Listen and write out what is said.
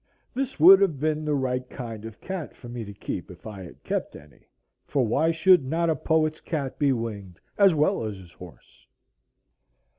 This would have been the right kind of cat for me to keep, if I had kept any; for why should not a poet's cat be winged as well as his horse?